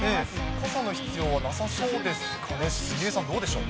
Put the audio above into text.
傘の必要はなさそうですかね、杉江さん、どうでしょう。